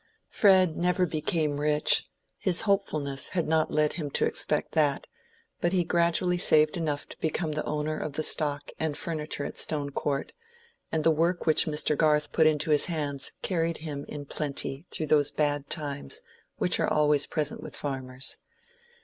Fred never became rich—his hopefulness had not led him to expect that; but he gradually saved enough to become owner of the stock and furniture at Stone Court, and the work which Mr. Garth put into his hands carried him in plenty through those "bad times" which are always present with farmers.